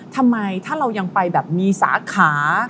ทำไมถ้าเรายังไปแบบมีสาขา